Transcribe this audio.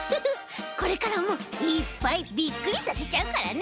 これからもいっぱいびっくりさせちゃうからね！